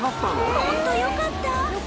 本当、よかった。